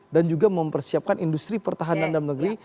dan juga mempersiapkan industri pertahanan dalam negeri